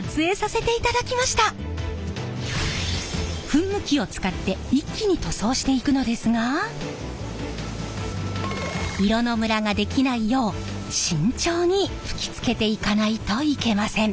噴霧器を使って一気に塗装していくのですが色のムラができないよう慎重に吹きつけていかないといけません。